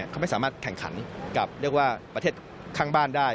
เขาไม่สามารถแข่งขันกับเรียกว่าประเทศข้างบ้านได้